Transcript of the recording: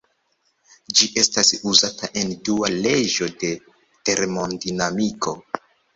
Ĝi estas uzata en Dua leĝo de termodinamiko.